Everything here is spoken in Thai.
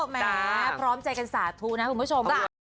แม้พร้อมใจกันสาธุนะคุณผู้ชม